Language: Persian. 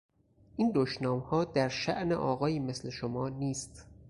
این دشنامها در شان آقایی مثل شما نیست.